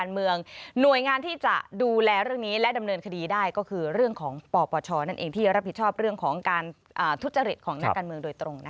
หน่วยงานที่จะดูแลเรื่องนี้และดำเนินคดีได้ก็คือเรื่องของปปชนั่นเองที่รับผิดชอบเรื่องของการทุจริตของนักการเมืองโดยตรง